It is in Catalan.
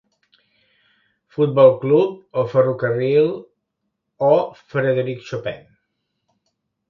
Futbol club o ferrocarril o Frederic Chopin.